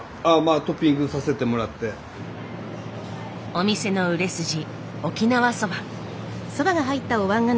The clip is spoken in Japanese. お店の売れ筋沖縄そば。